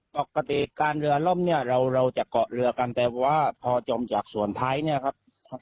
ปกติการเรือล่มเนี่ยเราจะเกาะเรือกันแต่ว่าพอจมจากส่วนท้ายเนี่ยครับ